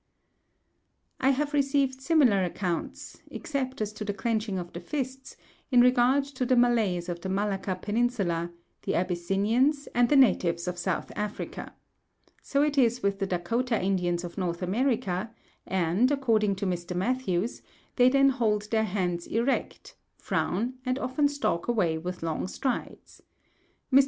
I have received similar accounts, except as to the clenching of the fists, in regard to the Malays of the Malacca peninsula, the Abyssinians, and the natives of South Africa. So it is with the Dakota Indians of North America; and, according to Mr. Matthews, they then hold their heads erect, frown, and often stalk away with long strides. Mr.